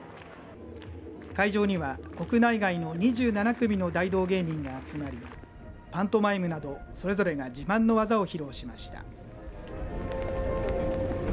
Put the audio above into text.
会場には国内外の２７組の大道芸人が集まりパントマイムなどそれぞれが自慢の技を披露しました。